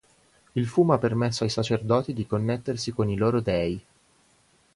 Il fumo ha permesso ai sacerdoti di connettersi con i loro dèi".